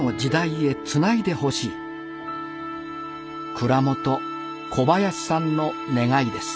蔵元小林さんの願いです。